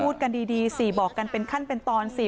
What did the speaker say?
พูดกันดีสิบอกกันเป็นขั้นเป็นตอนสิ